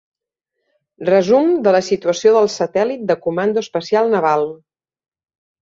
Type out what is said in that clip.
Resum de la situació del Satèl·lit de comando espacial naval.